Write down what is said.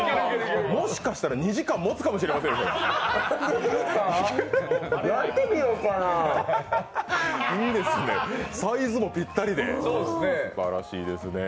もしかしたら２時間もつかもしれませんね。